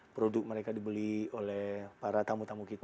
produk mereka dibeli oleh para tamu tamu kita